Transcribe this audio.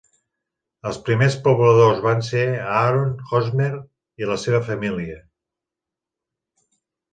Els primers pobladors van ser Aaron Hosmer i la seva família.